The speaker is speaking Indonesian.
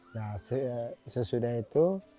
nah sesudah itu